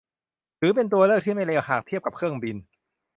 ถือเป็นตัวเลือกที่ไม่เลวหากเทียบกับเครื่องบิน